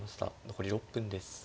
残り６分です。